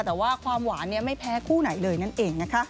แต่ว่าความหวานไม่แพ้คู่ไหนเลยนั่นเองนะคะ